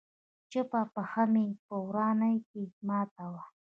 چپه پښه مې په ورانه کښې ماته وه.